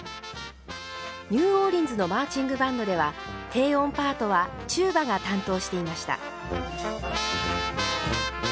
ニューオーリンズのマーチングバンドでは低音パートはチューバが担当していました。